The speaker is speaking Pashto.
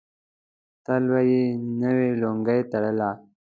تل به یې نوې لونګۍ تړلې.